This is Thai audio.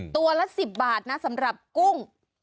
ตัวละ๑๐บาทนะสำหรับกุ้ง